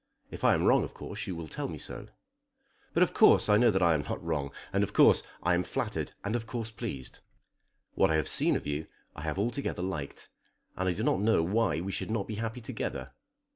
If I am wrong, of course you will tell me so. But of course I know that I am not wrong; and of course I am flattered, and of course pleased. What I have seen of you I have altogether liked, and I do not know why we should not be happy together.